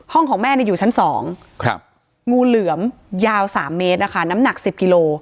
ห้องของแม่นี่อยู่ชั้นสองครับงูเหลือมยาวสามเมตรนะคะน้ำหนักสิบกิโล